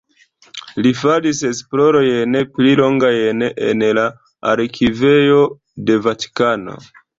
Li faris esplorojn pli longajn en la arkivejo de Vatikano.